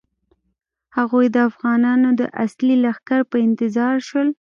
هغوی د افغانانو د اصلي لښکر په انتظار شول.